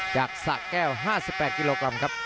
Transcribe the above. สะแก้ว๕๘กิโลกรัมครับ